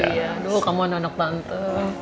aduh kamu anak anak tante